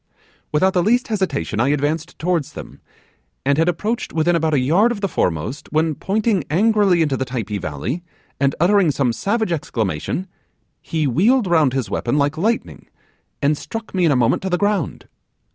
'Without the least hesitation I advanced towards them, and had approached within about a yard of the foremost, when, pointing angrily into the Typee valley, and uttering some savage exclamation, he wheeled round his weapon like lightning, and struck me in a moment to the ground.